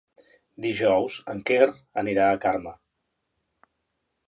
Dijous en Quer anirà a Carme.